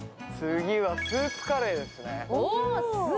次はスープカレーですね。